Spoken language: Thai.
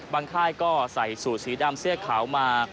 ค่ายก็ใส่สูตรสีดำเสื้อขาวมา